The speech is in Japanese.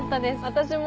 私も。